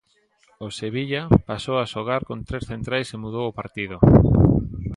O Sevilla pasou a xogar con tres centrais e mudou o partido.